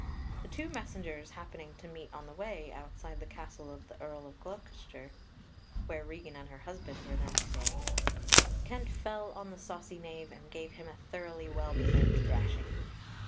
The two messengers happening to meet on the way, outside the castle of the Earl of Gloucester, where Regan and her husband were then staying, Kent fell on the saucy knave, and gave him a thoroughly well deserved thrashing.